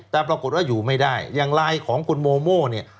แต่ปรากฏว่าอยู่ไม่ได้ยังไลของมโมโมเนี้ย